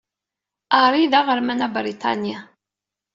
Harry d aɣerman abriṭani.